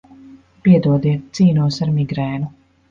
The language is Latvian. Piedodiet, cīnos ar migrēnu.